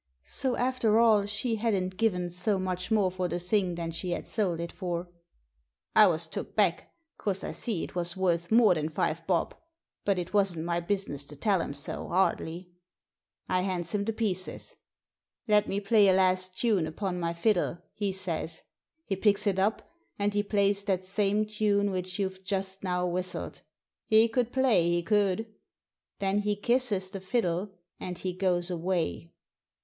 So, after all, she hadn't given so much more for the thing than she had sold it for. " I was took back. Course I see it was worth more than five bob. But it wasn't my business to tell him so — ^'ardly! I hands him the pieces. ' Let me play a last tune upon my fiddle,' he says. He picks it up, and he plays that same tune which you've just now whistled. He could play, he could! Then he kisses the fiddle and he goes away."